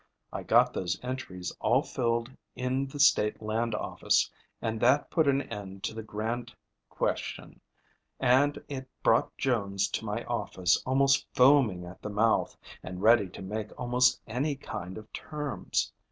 I got those entries all filed in the state land office, and that put an end to the grant question, and it brought Jones to my office almost foaming at the mouth, and ready to make almost any kind of terms.